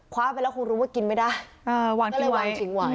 คว้าไปแล้วคงรู้ว่ากินไม่ได้เอ่อวางถึงไว้ได้เลยวางถึงไว้